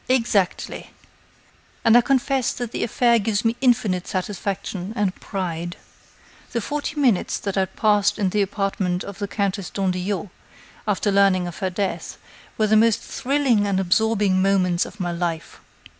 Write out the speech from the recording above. "Exactly. And I confess that the affair gives me infinite satisfaction and pride. The forty minutes that I passed in the apartment of the Countess d'Andillot, after learning of her death, were the most thrilling and absorbing moments of my life.